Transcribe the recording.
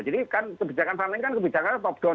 jadi kan kebijakan sama ini kan kebijakan top down